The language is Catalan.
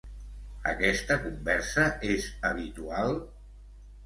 Aquesta conversa és habitual?